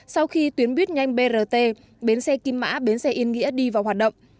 sau khi tuyến buýt nhanh brt bến xe kim mã bến xe yên nghĩa đi vào hoạt động